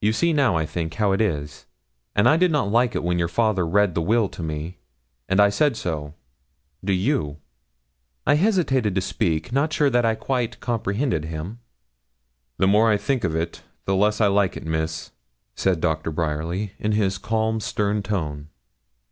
You see now, I think, how it is; and I did not like it when your father read the will to me, and I said so. Do you?' I hesitated to speak, not sure that I quite comprehended him. 'And the more I think of it, the less I like it, Miss,' said Doctor Bryerly, in a calm, stern tone.